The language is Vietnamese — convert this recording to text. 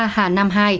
hà nam hai